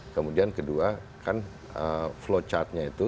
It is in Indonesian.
kemudian kedua kan flow chartnya itu